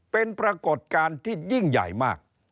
เป็นปรากฏการณ์ที่ยิ่งใหญ่มาก